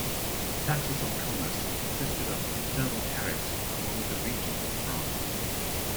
Taxes on commerce consisted of internal tariffs among the regions of France.